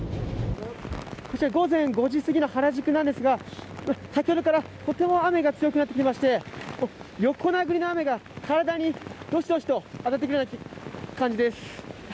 こちら午前５時すぎの原宿なんですが先ほどから、とても雨が強くなってきまして横殴りの雨が、体にどしどしと体に当たってくる感じです。